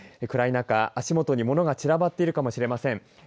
暗い中、足元に物が散らばっているかもしれません。